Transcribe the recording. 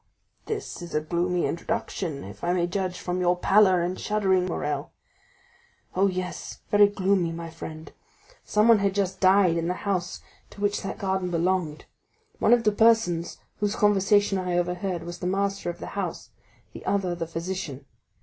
"This is a gloomy introduction, if I may judge from your pallor and shuddering, Morrel." "Oh, yes, very gloomy, my friend. Someone had just died in the house to which that garden belonged. One of the persons whose conversation I overheard was the master of the house; the other, the physician.